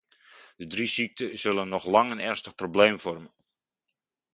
Deze drie ziekten zullen nog lang een ernstig probleem vormen.